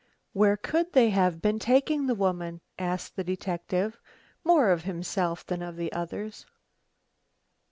"Where could they have been taking the woman?" asked the detective, more of himself than of the others.